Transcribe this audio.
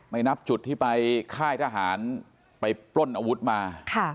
นับจุดที่ไปค่ายทหารไปปล้นอาวุธมา